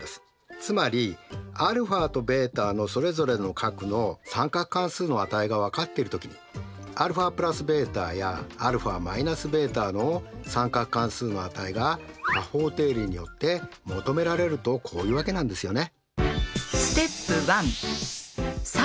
つまりαとβのそれぞれの角の三角関数の値が分かってる時にα＋βやα−βの三角関数の値が加法定理によって求められるとこういうわけなんですよね。